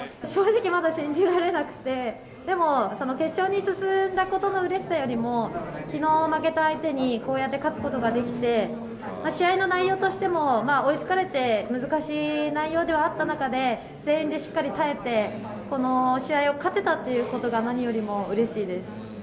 正直、まだ信じられなくて、でも、決勝に進んだことのうれしさよりも、きのう負けた相手にこうやって勝つことができて、試合の内容としても、追いつかれて難しい内容ではあった中で、全員でしっかり耐えて、この試合に勝てたということが何よりもうれしいです。